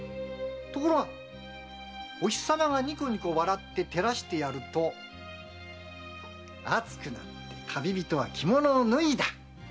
ところがお日様がニコニコ笑って照らしてやると暑くなって旅人は着物を脱いだ！